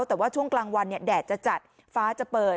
แต่ว่าช่วงกลางวันแดดจะจัดฟ้าจะเปิด